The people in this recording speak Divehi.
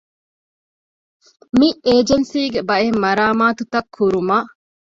މި އޭޖެންސީގެ ބައެއް މަރާމާތުތައް ކުރުމަށް